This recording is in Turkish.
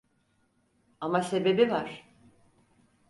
Ama sebebi var.